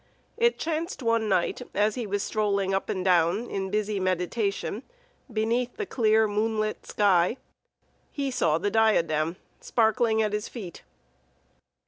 It chanced one night as he was strolling up and down, in busy meditation, beneath the clear, moonlit sky, he saw the diadem sparkling at his feet.